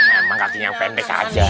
emang gantinya pendek aja